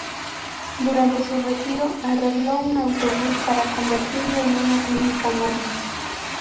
Durante su retiro, arregló un autobús para convertirlo en una clínica móvil.